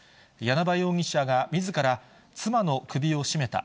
簗場容疑者がみずから妻の首を絞めた。